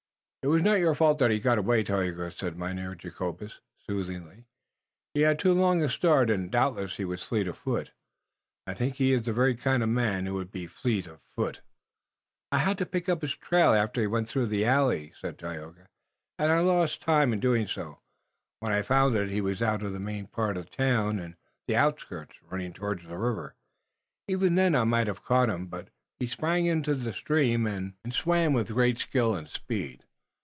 "It wass not your fault that he got away, Tayoga," said Mynheer Jacobus soothingly. "He had too long a start, und doubtless he was fleet of foot. I think he iss the very kind of man who would be fleet of foot." "I had to pick up his trail after he went through the alley," said Tayoga, "and I lost time in doing so. When I found it he was out of the main part of the town and in the outskirts, running towards the river. Even then I might have caught him, but he sprang into the stream and swam with great skill and speed.